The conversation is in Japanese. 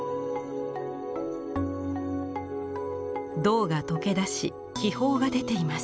銅が溶け出し気泡が出ています。